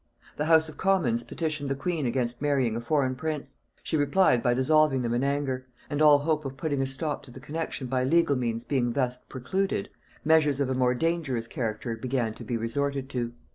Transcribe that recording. The house of commons petitioned the queen against marrying a foreign prince: she replied by dissolving them in anger; and all hope of putting a stop to the connexion by legal means being thus precluded, measures of a more dangerous character began to be resorted to.